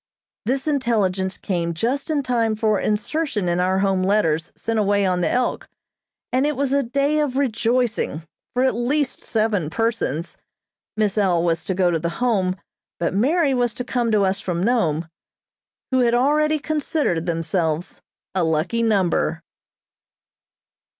This intelligence came just in time for insertion in our home letters sent away on the "Elk," and it was a day of rejoicing for at least seven persons (Miss L. was to go to the Home, but Mary was to come to us from Nome), who already considered themselves a "lucky number."